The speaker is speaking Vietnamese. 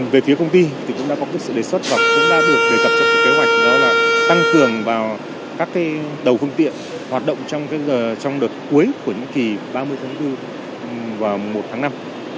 về phía công ty thì cũng đã có rất sự đề xuất và cũng đã được kể cập trong kế hoạch đó là tăng cường vào các đầu phương tiện hoạt động trong đợt cuối của những kỳ ba mươi tháng bốn và một tháng năm